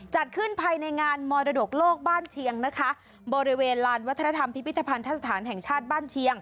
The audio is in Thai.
จัดขึ้นภายในงานมรดกโลกบ้านเชียงนะคะบริเวณลานวัฒนธรรมพิพิธภัณฑสถานแห่งชาติบ้านเชียง